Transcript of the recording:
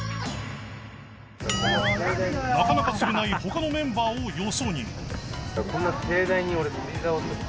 ［なかなか釣れない他のメンバーをよそに］